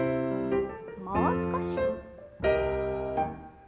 もう少し。